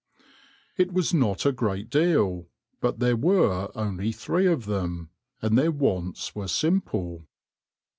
It was not a great deal, but there were only three of them, and their wants were simple.